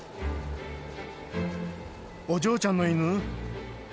お嬢ちゃんの犬？